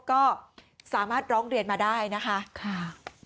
ก็สามารถร้องเรียนมาได้นะคะ